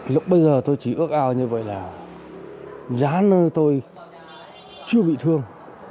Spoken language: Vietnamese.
lúc bây giờ tôi chỉ ước ao như vậy là giá nơ tôi chưa bị thương